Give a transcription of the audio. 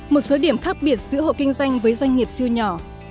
một số điểm khác biệt giữa hộ kinh doanh với doanh nghiệp siêu nhỏ